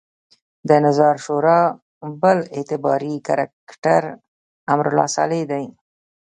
د نظار شورا بل اعتباري کرکټر امرالله صالح دی.